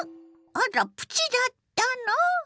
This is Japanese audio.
あらプチだったの！